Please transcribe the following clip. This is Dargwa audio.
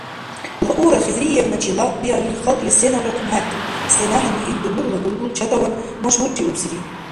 Луара Хизриевначила биалли, халкьли сеналра хъумхӀерту, сенахӀенну ил дубурла булбул чатӀаван машгьурриубсири.